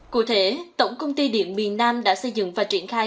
cụ thể tổng công ty điện miền nam đã xây dựng và triển khai